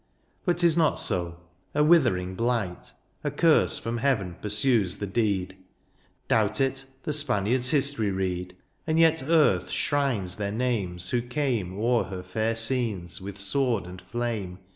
But 'tis not so, a withering blight, A curse from heaven pursues the deed :— Doubt it, the Spaniards' history read. And yet earth shrines their names who came O'er her fair scenes with sword and flame.